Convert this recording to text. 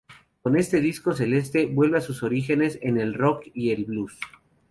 Con este disco, Celeste vuelve a sus orígenes en el rock y el blues.